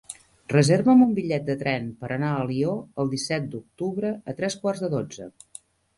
Reserva'm un bitllet de tren per anar a Alió el disset d'octubre a tres quarts de dotze.